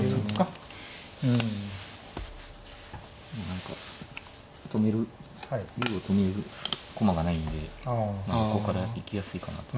何か止める竜を止める駒がないんで横から行きやすいかなと。